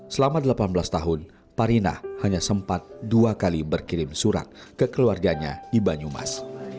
selama delapan belas tahun parinah hanya sempat dua kali berkirim surat ke keluarganya di banyumas